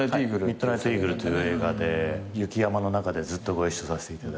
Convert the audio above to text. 『ミッドナイトイーグル』っていう映画で雪山の中でずっとご一緒させていただいて。